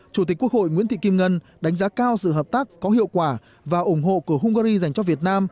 chủ tịch quốc hội nguyễn thị kim ngân đánh giá cao sự hợp tác có hiệu quả và ủng hộ của hungary dành cho việt nam